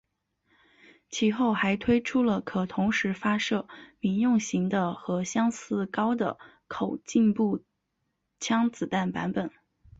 其后还推出了可同时发射民用型的和相似高的口径步枪子弹版本。